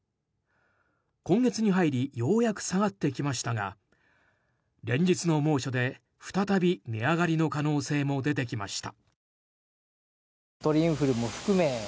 今月に入りようやく下がってきましたが連日の猛暑で再び値上がりの可能性も出てきました。